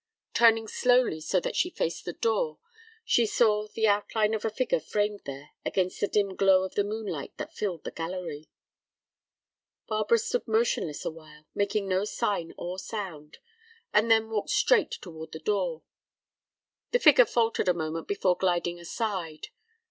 Turning slowly so that she faced the door, she saw the outline of a figure framed there against the dim glow of the moonlight that filled the gallery. Barbara stood motionless awhile, making no sign or sound, and then walked straight toward the door. The figure faltered a moment before gliding aside.